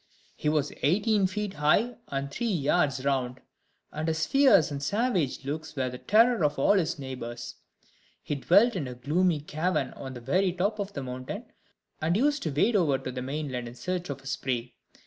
He was eighteen feet high, and three yards round; and his fierce and savage looks were the terror of all his neighbors. He dwelt in a gloomy cavern on the very top of the mountain, and used to wade over to the mainland in search of his prey.